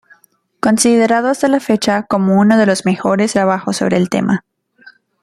Considerado hasta la fecha como uno de los mejores trabajos sobre el tema.